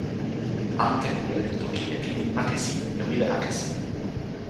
ante kule li toki e pilin akesi e wile akesi.